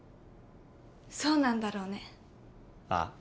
そうなんだろうね。